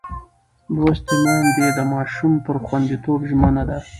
لوستې میندې د ماشوم پر خوندیتوب ژمنه ده.